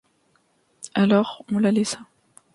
Alors, on la laissa.